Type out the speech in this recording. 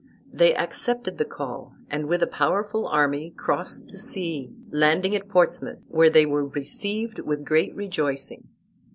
They accepted the call, and with a powerful army crossed the sea, landing at Portsmouth, where they were received with great rejoicing.